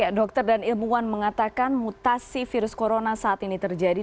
ya dokter dan ilmuwan mengatakan mutasi virus corona saat ini terjadi